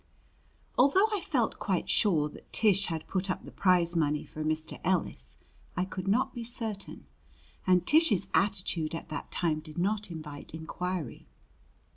IV Although I felt quite sure that Tish had put up the prize money for Mr. Ellis, I could not be certain. And Tish's attitude at that time did not invite inquiry.